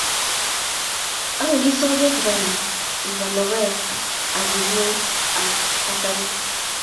Awendi soget raini ipaal logoek ak ingwek ap kasari